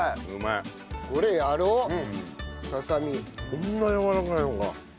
こんなやわらかいのか。